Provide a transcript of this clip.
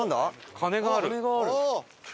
鐘がある。